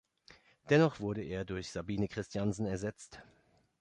Dennoch wurde er durch Sabine Christiansen ersetzt.